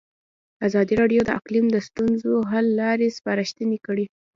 ازادي راډیو د اقلیم د ستونزو حل لارې سپارښتنې کړي.